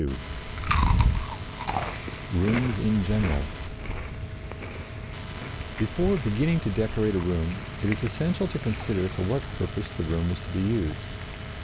II ROOMS IN GENERAL Before beginning to decorate a room it is essential to consider for what purpose the room is to be used.